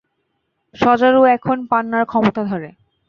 শজারু এখন পান্নার ক্ষমতা ধরে।